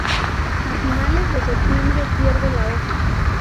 A finales de septiembre pierde la hoja.